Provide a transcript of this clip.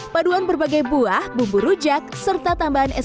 paduan berbagai buah bumbu rujak serta tambahan es